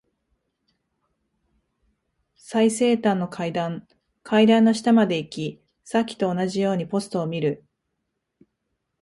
最西端の階段。階段の下まで行き、さっきと同じようにポストを見る。